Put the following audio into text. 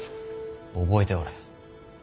覚えておれ。